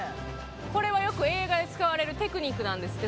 これはよく映画で使われるテクニックなんですって。